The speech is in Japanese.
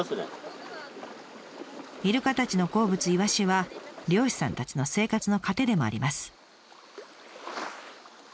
イルカたちの好物イワシは漁師さんたちの生活の糧でもあります。